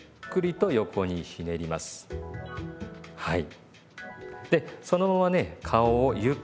はい。